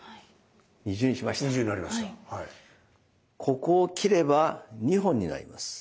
ここを切れば２本になります。